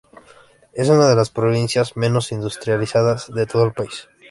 Es una de las provincias menos industrializadas de todo el país.